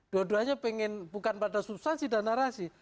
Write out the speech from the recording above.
dua duanya pengen bukan pada substansi dan narasi